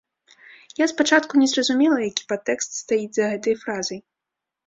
Я спачатку не зразумела, які падтэкст стаіць за гэтай фразай.